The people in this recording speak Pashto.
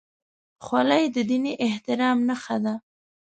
خولۍ د دیني احترام نښه ده.